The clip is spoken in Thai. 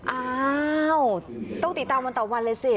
อ้าวต้องติดตามวันต่อวันเลยสิ